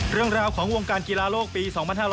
เรื่องราวของวงการกีฬาโลกปี๒๕๖๐